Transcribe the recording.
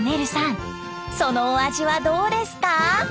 そのお味はどうですか？